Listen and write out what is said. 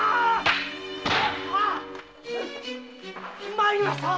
まいりました。